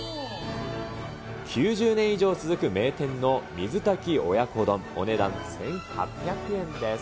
９０年以上続く名店の水炊き親子丼、お値段１８００円です。